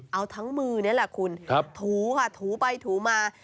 เอาทั้งมือนี่แหละคุณถูค่ะถูไปถูมา